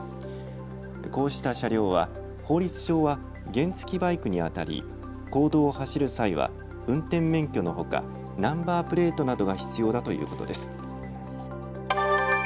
こうした車両は法律上は原付きバイクにあたり公道を走る際は運転免許のほかナンバープレートなどが必要だということです。